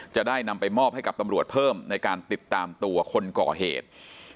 จะได้นำไปมอบให้กับตำรวจเพิ่มในการติดตามตัวคนก่อเหตุ